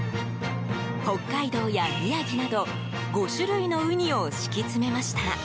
北海道や宮城など５種類のウニを敷き詰めました。